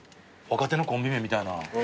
若手のコンビ名みたいな。